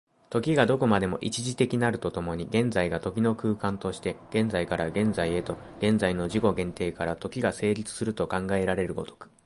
時がどこまでも一度的なると共に、現在が時の空間として、現在から現在へと、現在の自己限定から時が成立すると考えられる如く、